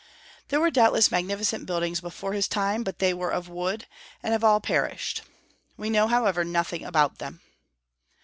There were doubtless magnificent buildings before his time, but they were of wood, and have all perished. We know, however, nothing about them.